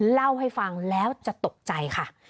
เล่าให้ฟังแล้วจะตกใจค่ะ